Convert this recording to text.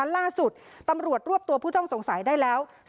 ล่าสุดตำรวจรวบตัวผู้ต้องสงสัยได้แล้ว